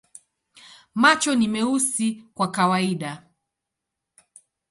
Macho ni meusi kwa kawaida.